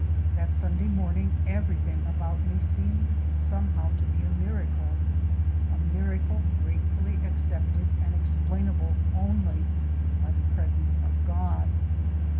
That Sunday morning everything about me seemed somehow to be a miracle a miracle gratefully accepted and explainable only by the presence of God.